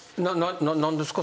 何ですか？